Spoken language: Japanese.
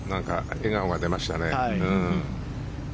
笑顔が出ましたね。